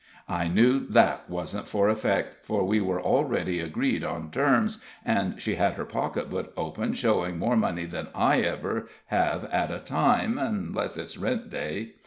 I knew that wasn't for effect, for we were already agreed on terms, and she had her pocketbook open showing more money that I ever have at a time, unless it's rent day.